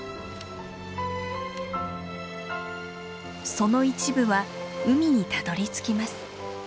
その一部は海にたどりつきます。